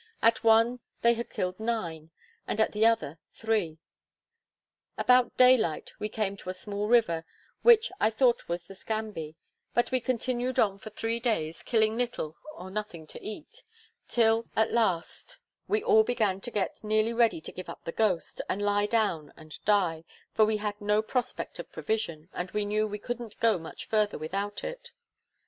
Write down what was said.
At one they had killed nine, and at the other three. About daylight we came to a small river, which I thought was the Scamby; but we continued on for three days, killing little or nothing to eat; till, at last, we all began to get nearly ready to give up the ghost, and lie down and die; for we had no prospect of provision, and we knew we couldn't go much further without it.